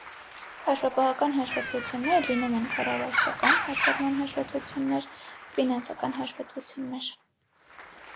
Հաշվապահական հաշվետվությունները լինում են. կառավարչական հաշվառման հաշվետվություններ, ֆինանսական հաշվետվություններ։